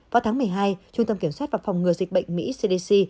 vào tháng một mươi hai trung tâm kiểm soát và phòng ngừa dịch bệnh mỹ cdc